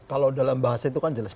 kalau dalam bahasa itu kan jelas